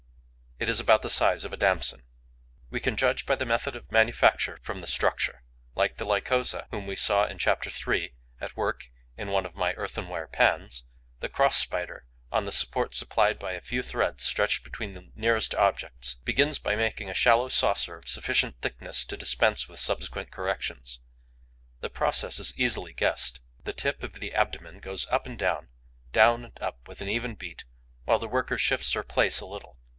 It is about the size of a damson. We can judge the method of manufacture from the structure. Like the Lycosa, whom we saw, in Chapter III., at work in one of my earthenware pans, the Cross Spider, on the support supplied by a few threads stretched between the nearest objects, begins by making a shallow saucer of sufficient thickness to dispense with subsequent corrections. The process is easily guessed. The tip of the abdomen goes up and down, down and up with an even beat, while the worker shifts her place a little.